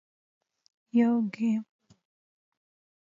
- یو ګېم 🎮